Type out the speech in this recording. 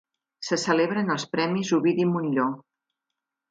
Se celebren els Premis Ovidi Montllor